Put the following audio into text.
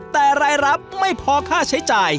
แต่รายรับไม่พอค่าใช้จ่าย